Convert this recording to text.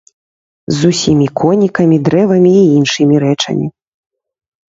З усімі конікамі, дрэвамі і іншымі рэчамі.